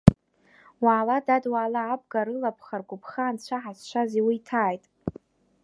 Уаала, дад, уаала, абга рылыԥха-ргәыԥха Анцәа ҳазшаз иуиҭааит.